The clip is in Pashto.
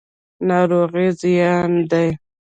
ناروغي زیان دی.